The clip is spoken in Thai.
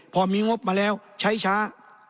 พอมีงบมาแล้วใช้ช้า